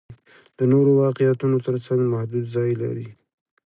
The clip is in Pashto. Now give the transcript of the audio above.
د نورو واقعیتونو تر څنګ محدود ځای لري.